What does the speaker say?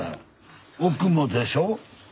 奥もでしょ？